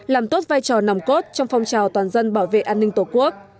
làm tốt vai trò nòng cốt trong phong trào toàn dân bảo vệ an ninh tổ quốc